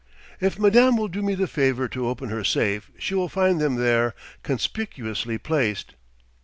"If madame will do me the favour to open her safe, she will find them there conspicuously placed."